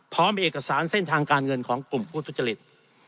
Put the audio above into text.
พร้อมเอกสารเส้นทางการเงินของกลุ่มผู้ทุจริต